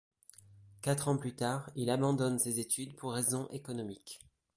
Quatre ans plus tard, il abandonne ses études pour raisons économiques.